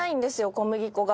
小麦粉が。